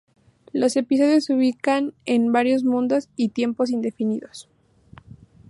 Los episodios se ubican en varios mundos y tiempos indefinidos.